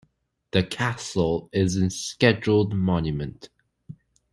The castle is a scheduled monument.